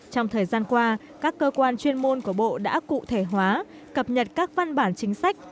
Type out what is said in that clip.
trong thời gian qua các cơ quan chuyên môn của bộ đã cụ thể hóa cập nhật các văn bản chính sách